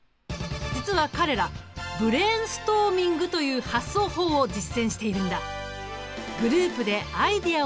実は彼らブレーンストーミングという発想法を実践しているんだ。